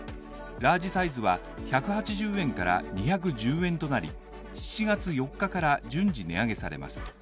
ラージサイズは１８０円から２１０円となり、７月４日から順次値上げされます。